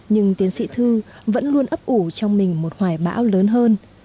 nhưng tiến sĩ thư vẫn luôn ấp ủ trong mình một hoài bão lớn hơn